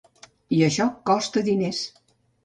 I això costa diners.